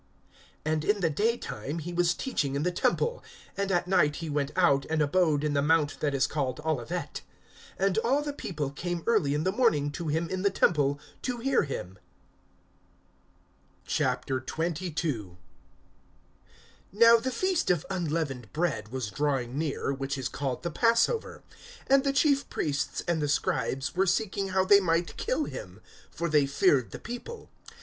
(37)And in the daytime he was teaching in the temple; and at night he went out, and abode in the mount that is called Olivet. (38)And all the people came early in the morning to him in the temple, to hear him. XXII. NOW the feast of unleavened bread was drawing near, which is called the Passover; (2)and the chief priests and the scribes were seeking how they might kill him; for they feared the people.